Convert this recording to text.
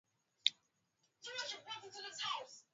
Ugonjwa wa majimoyo huathiri mfumo wa fahamu kwa ngamia